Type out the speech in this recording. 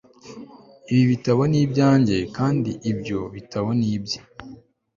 Ibi bitabo ni ibyanjye kandi ibyo bitabo ni ibye